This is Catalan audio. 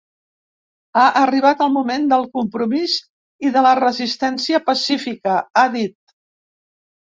Ha arribat el moment del compromís i de la resistència pacífica, ha dit.